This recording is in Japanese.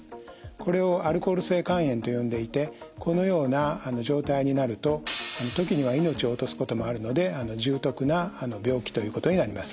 これをアルコール性肝炎と呼んでいてこのような状態になると時には命を落とすこともあるので重篤な病気ということになります。